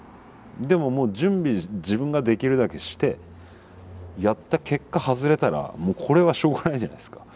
でももう準備自分ができるだけしてやった結果外れたらこれはしょうがないじゃないですか。